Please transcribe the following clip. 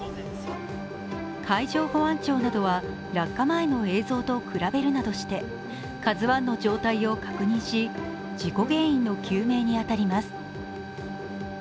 海上保安庁などは、落下前の映像と比べるなどして「ＫＡＺＵⅠ」の状態を確認し事故原因の究明に当たります。